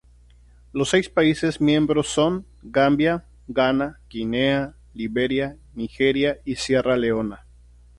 Los seis países miembros son Gambia, Ghana, Guinea, Liberia, Nigeria y Sierra Leona.